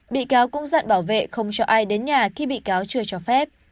bị cáo cũng giặn bảo vệ không cho ai đến nhà khi bị cáo chưa cho phép